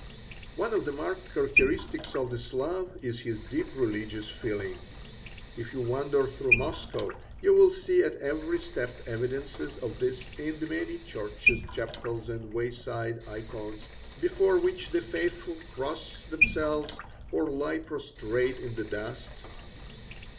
One of the marked characteristics of the Slav is his deep religious feeling. If you wander through Moscow, you will see at every step evidences of this in the many churches, chapels, and wayside icons before which the faithful cross themselves or lie prostrate in the dust.